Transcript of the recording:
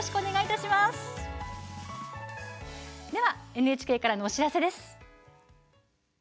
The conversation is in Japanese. ＮＨＫからのお知らせです。